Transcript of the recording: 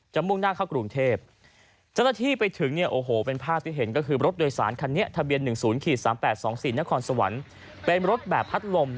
จมูกหน้าเข้ากรุงเทพ